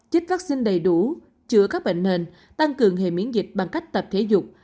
chích vaccine đầy đủ chữa các bệnh nền tăng cường hệ miễn dịch bằng cách tập thể dục